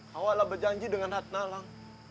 kau telah berjanji dengan hatna alam